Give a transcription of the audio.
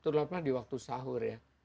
itu adalah di waktu sahur ya